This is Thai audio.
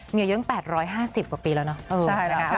มีอยู่ตั้ง๘๕๐กว่าปีแล้วเนาะ